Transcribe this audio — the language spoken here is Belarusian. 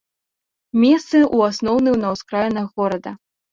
Месцы ў асноўным на ўскраінах горада.